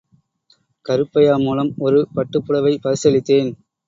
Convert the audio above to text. கருப்பையா மூலம் ஒரு பட்டுப் புடவை பரிசளித்தேன்.